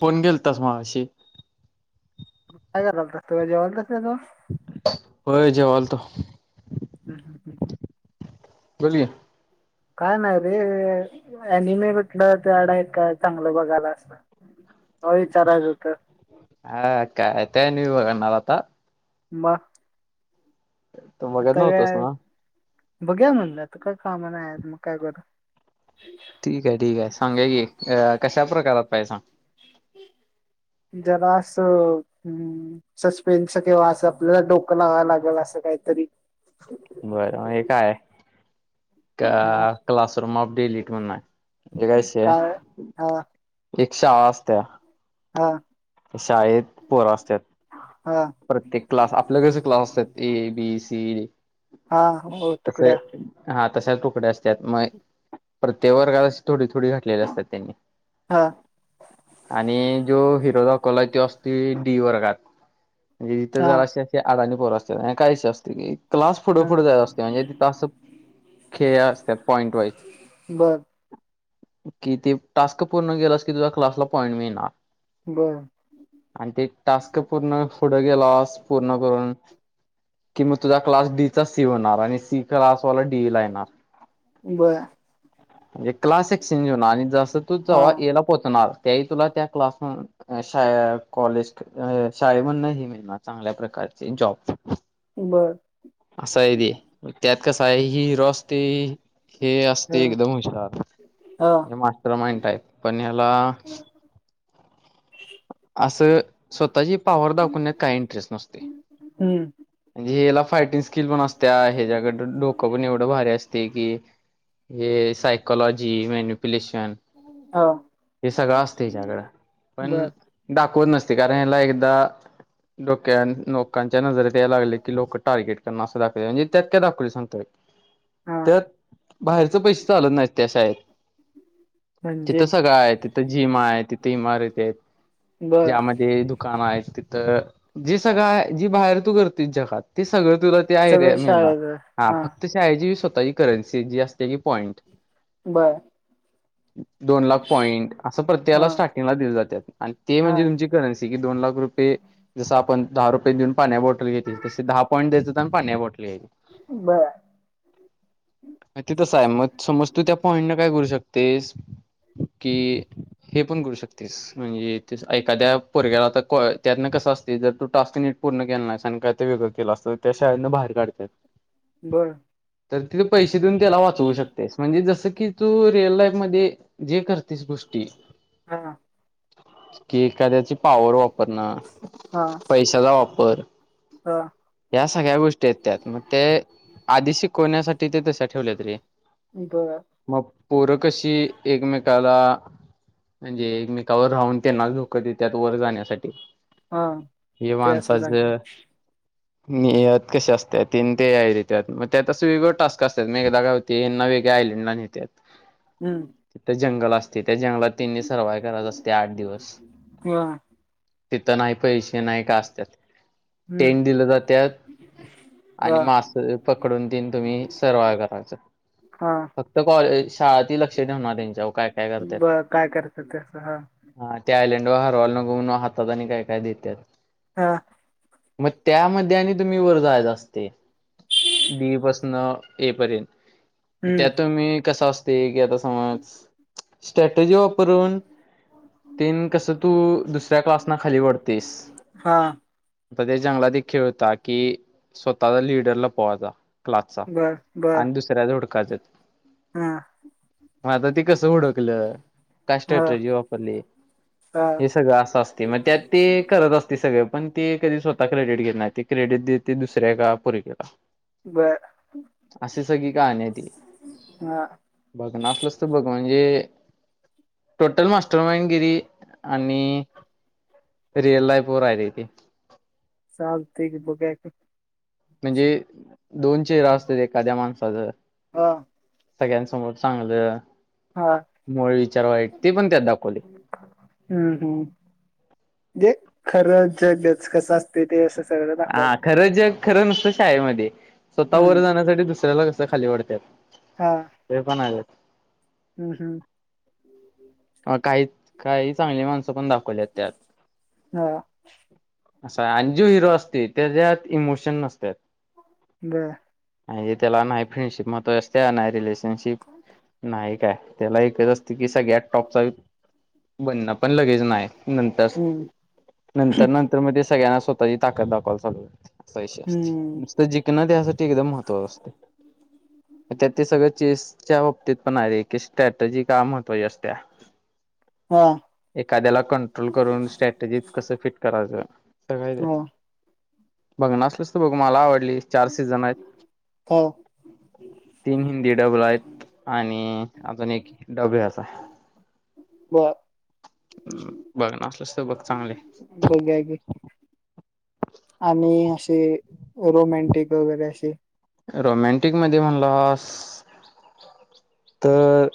Phone गेल तस मग अशी. काय करायलतस तो जेवालस तो. होय जवालतो. [inaudible] बोोलि. काय नाही रे अन मे म्हटलं ते अडाय का चांगलं बघायला असत. हो विचारा जत. हा काय तेय न बघणार आता. म. तू बघत आता वेळा. नव्हतोस ना बघ्या म्हणलं त काय कामानार मग काय करर. ठीक आहे ठीक आहे सांगा की कशा प्रकारात पाहिे सांग. जरास हम् सस्पेन्स किंवा असं आपल्याला डोकं लावावं लागेल असं काहीतरी र काय हा क्लासरूम अफ डेलीिट म्हण एकाश काय हा एक शहाळाजत्या हा शाळेत पोरं असतात हा प्रत्येक क्लास आपल्याकचे क्लास असतात ए बीसी हा हो तुकड्या तसें हा तशाच तुकडे्या असतात मग प्रत्येक वर्गात थोडी थोडी घटलेले असतात त्यांनी हा आणि जो हिरो दाखला आहे तो असती डी वर्गात म्हणजे जिथे हा जर अशी अशी आदानी पोर असते काय अशी असते क क्लास फुढं हा फुढ जात असते म्हणजे ति त असं खेळ असतात पॉईंट वाईज बर कि ते टास्क पूर्ण गेलंस की तुझ्या क्लासला पॉइंट मिळणार बरं आणि ते टास्क पूर्ण पुढं गेलस पूर्ण करून. की मग तुझा क्लास डीचा सी होणार आणि सी क्लासवाला डी ला येणार. बरं. म्हणजे क्लास एक्सचेंज होऊन आणि जस तू हा ज्हा याला. तुला त्या क्लास कॉलेज शाळे म्हण. चांगल्या प्रकारचे जॉब बरं अससााय दे त्यात कस आहे हि रस्ते हे हा असते एकदम हुशार हा हे मास्टर माइंडाप पण याला ह असं स्वतःची पॉवर दाखवण्यात काय इंटरेस्ट नसते हम्म म्हणजे ह्याला फायटिंग स्किल पण असते ह्याच्याकडडेो क पण एवढं भारी असते की हे सायकॉलॉजी मॅन्युप्युलेशन हा हे सगळं असत हच्याकडं बर पण दाखवत नसते कारण ह्याला एकदा डोक्या लोकांच्या नजरेत या लागले की लोक टार्गेट करणार असं दाखव म्हणे त्यातक दाखवले सांगतोय हा त्यात बाहेरच पैसे चालत नाहीत त्या शाळेत म्हणजे तिथं सगळं आहे तिथं भीमा आहे तिथं इमारती आहेत बर ज्यामध्ये दुकानं आहेत तिथं जे सगळ आहे जी बाहेर तू करतेस जगात ते सगळं तुला ते आहे रे सगळं मेनत शाळेत हा फक्त त आजी स्वतःचीी करन्सी जी असते की पॉईंट बरं दोन लाख पॉइंट असं हा प्रत्येयाला स्टार्टिंगला दिले जात आणि ते हा म्हणजे तुमची करन्सी की दोन लाख रुपये जसं आपण दहा रुपये देऊन पाण्या बॉटल घेत तसे दहा पॉईंट द्यायचं आणि पाणे बोटली बर माती तस आहे मग समज तू त्या पॉइंट न काय करू शकतेस कि हम्म, हे पण करू शकतेस म्हणजे ते एखाद्या परग्याला आता क त्यातनं कसं असते जर तू टास्क नीट पूर्ण केलंला नाही सां का ते वेगळं केलं असतं त्या शाळना बाहेर काढतात बरं तर तिथे पैसे देऊन त्याला वाचवू शकतेस म्हणजे जसं की तू रिअल लाईफ मध्ये जे करतेस गोष्टी हा के कदायची. पॉवर वापर न, हा पैशाचा वापर. हा या सगळ्या गोष्टी आहेत त्यात मग ते आदिशीिकण्यासाठी ते तश ठेवले त रे बर मग पोरकशी एकमेकाला म्हणजे एकमेकावर राहून त्यांना धोक देत वर जाण्यासाठी हा हे ते असं माणसाच लागलं नियत कशी असतात तीन ते मग त्यात अस वेगळ टास्क असतात मेदाा ते नवेग्या आयलंडला नेतात हम्म तिथ जंगल असते त्या जंगलात त्यांनी सर्वाइव कररायत असते आठ दिवस वा तिथं नाही पैसे नाही का असतत हम्म टेंट दिले जातात आणि वा मास पकडून तन तुम्ही सर्वा करायच हा फक्त कॉलेज शाळातही लक्ष ठेवणार त्यांच्यावर काय-काय करत्यात ‌? करत्या तसं हा. हा त्या आयलंड वर हरवायला नको म्हणून हातात आणि काय-काय देत्यात. हा मग त्यामध्ये आणि तुम्ही वर जायचं असते ीप असन ए पर्यंत हम्म त्यात मी कसा अस ते घता समज स्ट्रॅटजी वापरून हो तेन कस तू दुसऱ्या क्लासना खाली वडतेस हा आता ते जंगलात एक खेळ होता कि, स्वतःचा लिडरला पोवायचा. क्लासचा बर बर आणि दुसऱ्या झोडकाचेेत. हा म आता ती कस ओडकलं का हा स्ट्रॅट्रजी वापरली हा हे सगळं असं असते मग त्यात ते करत असते सगळं पण ते कधी स्वतः क्रेडिट घेत नाही ते क्रेडिट द त दुसऱ्या का परी केेला बर असशी सगळी का नाही त हा बघ ना असलस तर बघ म्हणजे टोटल मास्टर मनगिरी आणि रिअल लाईफ व राहिथे चालतंय की बगूया की म्हणजे दोन चेहरा असत एखाद्या माणसाच हा सगळ्यांसमोर चांगलं, हा मुळ विचार, वाईट ते पण त्यात दाखवलंय. हम्म-हम्म जे खरं जगच कसं असं ते ते असं सगळं हा दाखवलंय खरं जग खरं नुसतं शाळेमध्ये स्वतः हम्म वर जाण्यासाठी दुसऱ्याला कसं च खाली वडत्यात. हा. ते पण आलेत. हम्म हम्म. हा काही काही चांगली माणसं पण दाखवल्यात त्यात. हां, आसय आण्जु हिरो असती, त्याच्यात इमोशन नसत्यात. ब. आहे त्याला नाही, फ्रेंडशिप म्हत्वाची आसत्या. नाही रिलेशनशिप. नाय काय. त्याला एकच असती की, सगळ्यात टॉपचा. बनण पण, लगेच नाय. नंतर. हं, नंतर-नंतर मधे, सगळ्यांना स्वतःची ताकद दाखवावला चालू. [unintelligible] हं, नुसतं जिकण द्यासाठी एकदम महत्त्व असतय. आता ते सगळं, चेसच्या बाबतीत पण आहे. की, स्टॅटजी का महत्वाची अस क त्या्या हा एखाद्याला कंट्रोल करून स्ट्रॅटजी कसं फिट करायचं काय हां, बघनासलस तर बघ मला आवडली चार सीझन आहेत हां, तीन हिंदी डबल आहेत आणि अजून एक डबे असा ब बघ नसलस बघ चांगले बोघ आणि असे रोमॅंटिक वगैरे असे रोमॅंटिक मध्ये म्हणलं तर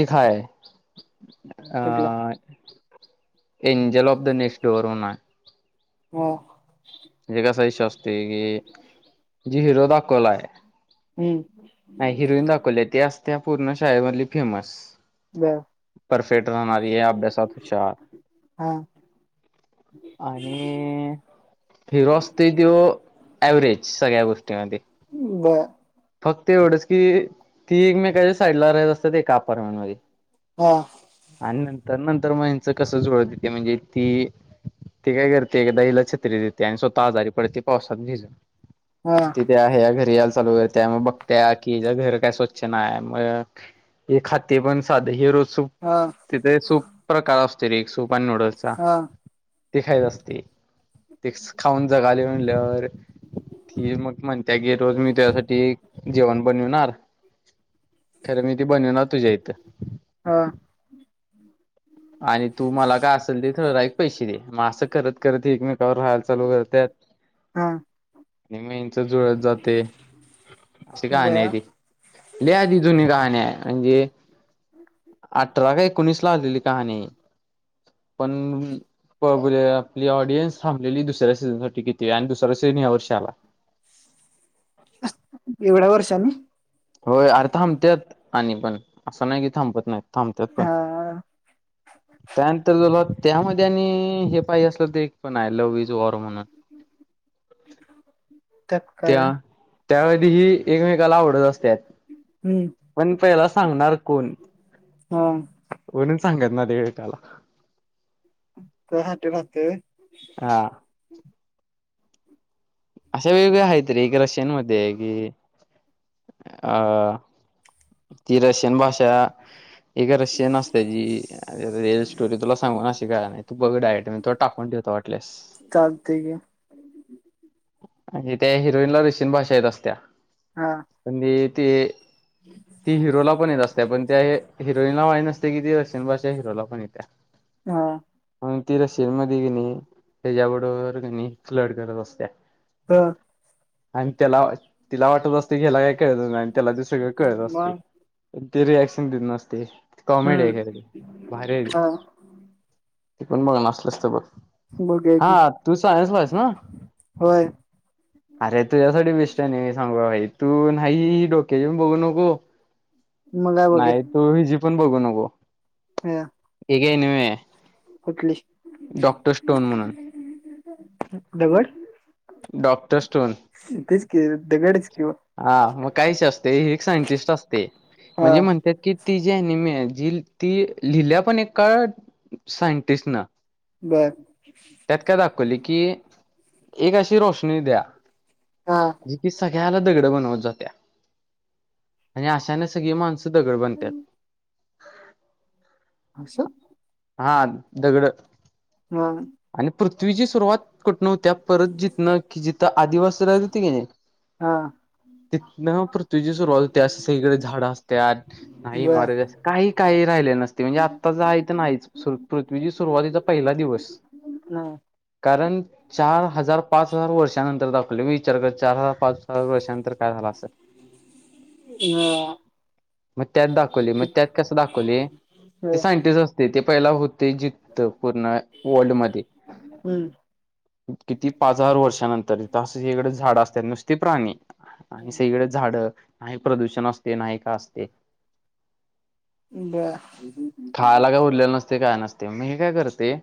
एक काय अ कुठला? Angel of the next door होना हो जे कस इश असते की जी हिरो दा कोोला आहे हम्म नाही हिरोईन दाखवले ते असत पूर्ण शाळेमधली फेमस बरं, परसेत राहाणारीये, अभ्यासात हुशार. हां, आणि.. हिरो आसतंय त्यौ, ॲव्हरेज सगळ्या गोष्टीमध्ये. ब. फक्त एवढंच की, ती एकमेकच्या साईडला राहत असत्यात. एका अपार्टमेंटमध्ये. आ. आणि नंतर नंतर मगचं कस जुळतथे म्हणजे ती तेी काय करते एकदा हिला छत्री देते आणि स्वतः आजारी पडते पावसात भिजून हां, तिथे आहे घरी यायला चालू आहेत त्या मग बघत्या की याच्या घर काय स्वच्छ नाही मग हे खाते पण साध हे रोजप हा तिथे सूप प्रकार असतील रे सूप आणि नूडल्सचा हां, ती खायच असते ते खाऊन जगाले म्हणल्या ती मग म्हणते की रोज मी त्यासाठी ती जेवण बनवणार खरं मी ती बनवणार तुझ्या इथं हा आणि तू मला काय असेल ते थरराक पैसे दे मग असं करत करत एकमेकावर राहायला चालू करतत हा आणि मेंच जुळत जाते अशी कहाणी आहे बरं ती लआधी जुनी गहाणी आहे म्हणजे अठरा का एकोणीस ला आलेली कहाणी पण पले आपली ऑडियन्स थांबलेली दुसऱ्या सीझन सासाठी किती आणि दुसरा सिझन या वर्षी आला एवढ्या वर्षानी होय अर थांबतत आणि पण असं नाही कि थांबत नाहीत थांबतत पण हां, ह त्यानंतर तुला त्यामध्ये आणि हे पा असलं तर एक पण आहे लव्ह इज वॉर म्हणून त्यात काय? त्या त्यावेधीही एकमेकाला आवडत असतात हं, पण पहिला सांगणार कोण हा म्हणून सांगत ना देकाला का हटे राहते हा अशा वेगवेगळ्या आहेत त रे एक रशियन मध्ये कि अ ती रसियान भाषा एक रशन नसते जी रअल स्टोरी तुला सांगूनशी काय नाही तू बघ डायेट म तो टाकून ठेवोट प्लस चारदे म्ह त्या हिरोईन ला रेशीिन भाषा येत असत्या हा म्हण ते हम् ती हिरोला पण येत असते्या पण त्या हिरोईनला माहि नसते की ती रशियन भाषा हिरोला पण येत्या हा म ती रशशीन म गणी त्याच्याबरोबर घणी फ्लड करत असत्या हा आणि त्याला तिला वाटत असते ह्याला काही कळत नाही आणि त्याला दुसरीकडे कळत असते मग? ते रिॲक्शन देत नसते कॉमेडी हं, आहे ख भारी हां, तिकण बघ नसलस तर बघ बघूया हा की, तू सायन्सला आहेस ना होय. अरे तुझ्यासाठी बेष्ट्याने मी सांगू भाई तू नाही डोक्याचीण बघू नको मग आहे बघे नाही तू हिजी पण बघू नको ह एगे नम कुठली डॉक्टर स्टोन म्हणून दगड डॉक्टर स्टोन तेच कि दिगडच किव हा मग काहीशी असते हे सायंटिस्ट असते म्हणजे हा म्हणतात की ती जी अनिमे आहे जी ती लिहिल्या पण एक का सायंटिस्ट ना बर त्यात काय दाखवली की एक अशी रोशनी द्या हा म्ह ती सगळ्याला दगड बनवत जाते आणि अशाने सगळी माणसं ध गड बनतात हर्षात हा दगड हा आणि पृथ्वीची सुरुवात कुठ नव्हत्या. परत जितनां की जिथं आदिवासी राह त क नाही हां तिथ ना पृथ्वीची सुरुवात होते असं सगकडे झाडं असत नाही बर मार काही काही राहिले नसते म्हणजे आत्ताच आहे तर नाहीच पृथ्वीची सुरुवातीचा पहिला दिवस नाही कारण चार हजार पाच हजार वर्षानंतर दाखवले मी विचार कर चार हजार पाच स वर्षानंतर काय झाला असल ह मग त्यात दाखवली मग त्यात कसं दाखवली हा ते ह सायंटिस्ट असते ते पहिला होते जिथत पूर्ण वर्ल्डमध्येध्ये हम्म किती पाच हजार वर्षानंतरथ असं इकडे झाड असतात नुसते प्राणी आणि सगळे झाड नाही प्रदूषण असते नाही का असते बर खायला काय उरलेलं नसते काय नसते मग हे काय करते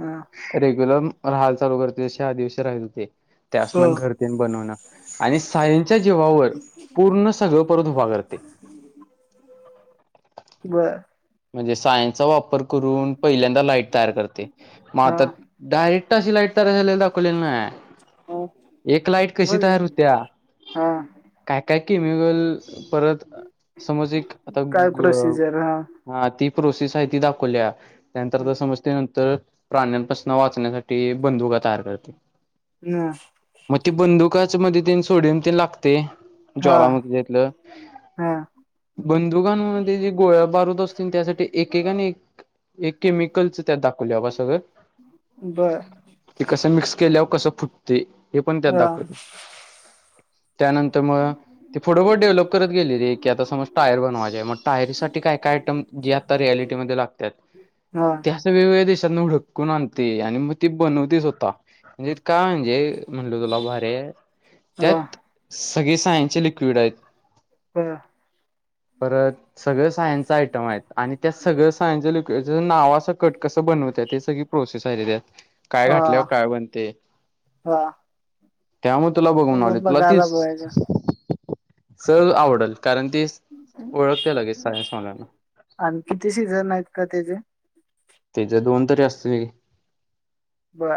हां रेग्युलर राहाल चालू करते ज आदिवशीी राहत होते त्या असना हो घरती बनवणं आणि सायंच्या जीवावर पूर्ण सगळं परत उभा करते बर म्हणजे सायनचा वापर करून पहिल्यांदा लाईट तयार करते मग हा आता डायरेक्ट अशी लाईट तयार झालेला दाखवलेली नाही एक लाईट कशी म्हणजे तयार होत्या हा काय काय केमिगल परत समज एक आता काय प्रोसिजर हा ती प्रोसेस हाय ती दाखवल्या तनंतर समजते नंतर प्राण्यांपसन वाचण्यासाटी बंदुका तयार करतात ह मग ते बंदुकाच मध्ये ते सोडन ते लागते हा ज्वालामुख घेतलं हा बंदुकांमध्ये जे गोळ्या दारू असतील त्यासाठी एकका आणि एक एक केमिकलच त्यात दाखवल्या [unintelligible] सगळं बर ते कसं मिक्स केल्याव कसं फुटते हे पण त्यात हा दाखवल त्यानंत त्यामुळे त ते फोडंफों डेव्हलप करत गेली रे की आता समज टायर बनवाय मग टायरीसाठी काय काय जे आत्ता रिॲलिटी मदे हा लागतात वेगवेगळ्या देशात उडकून आणते आणि मग ती बनवतेच होता म्हणजे काय म्ह म्हणल तुला भारे हा त्यात सगळी सायंचे लिक्विड आहेत ह परत सगळं सायंच आयटम आयत आणि त्या सगळं सायंच ल तेज नावासकट कसं बनवतात ते सगळी प्रोसेस हाय तेज्यात काय हा घातल्यावर काय बणते हा त्यामुळे तुला बघून आले तुला बघायला तीस बघायचं सर आवडल कारण ती ओळखते लगेल सायन्स मलाना आणि किती सिझन आहेत का त्याचे त्याचे दोन तरी असतील ब्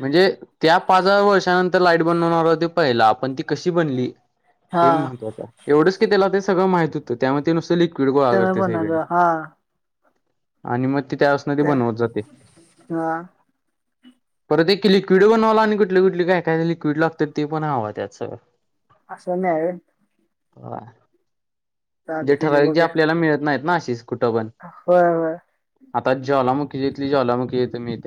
म्हणजे त्या पाच हजार वर्षानंतर लाईट बनवणार होती पईला बन हे हा महवा एवढ त्याला ते सगळं माह तर त्यामध्ये ते नुसतं लिक्विड गोळा त्यान करते सकडनं बनवलं हा आणि मग ते त्या ते बनवत जाते हा परत एकी लिक्विड बनवायला आणि कुटले कुटली काय काय लिक्विड लागत्यात ते पण हवां त्यात सगळ अस नाही ह म्हणजे चालते की ठराविक जे बघ्या आपल्याला मिळत नाहीत ना अशीच कुठं पण होय वय आता ज्वालामुखी घेतली ज्वालामुखी येते मीथे